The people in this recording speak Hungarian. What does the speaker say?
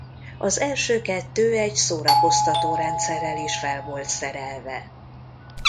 Az első kettő egy szórakoztató-rendszerrel is fel volt szerelve.